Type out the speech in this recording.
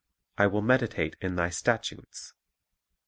"' "I will meditate in Thy statutes."